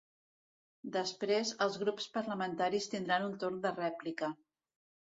Després, els grups parlamentaris tindran un torn de rèplica.